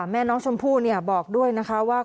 แม่น้องชมพู่บอกด้วยนะคะว่า